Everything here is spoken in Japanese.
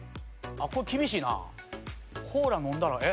これ厳しいなコーラ飲んだらえっ？